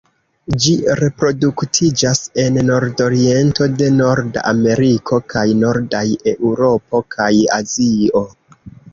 Ĝi reproduktiĝas en nordoriento de Norda Ameriko, kaj nordaj Eŭropo kaj Azio.